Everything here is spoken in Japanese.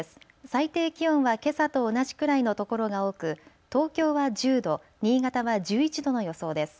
最低気温はけさと同じくらいの所が多く東京は１０度、新潟は１１度の予想です。